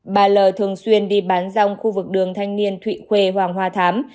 bà l thường xuyên đi bán rong khu vực đường thanh niên thụy quê hoàng hoa thám